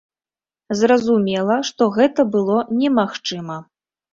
Зразумела, што гэта было немагчыма.